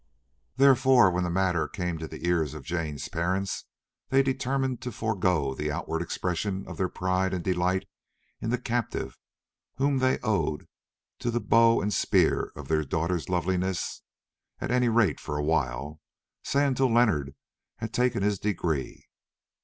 Therefore, when the matter came to the ears of Jane's parents, they determined to forego the outward expression of their pride and delight in the captive whom they owed to the bow and spear of their daughter's loveliness, at any rate for a while, say until Leonard had taken his degree.